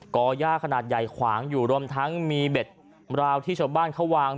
อย่าขนาดใหญ่ขวางอยู่รวมทั้งมีเบ็ดราวที่ชาวบ้านเขาวาง